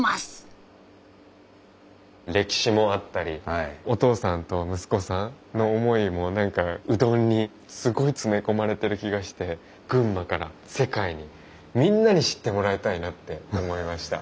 歴史もあったりお父さんと息子さんの思いも何かうどんにすごい詰め込まれてる気がして群馬から世界にみんなに知ってもらいたいなって思いました。